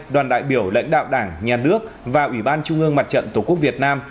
đoàn đại biểu lãnh đạo đảng nhà nước và ủy ban trung ương mặt trận tổ quốc việt nam